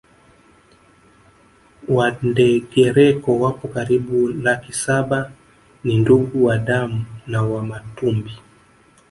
Wandengereko wapo karibu laki saba ni ndugu wa damu na Wamatumbi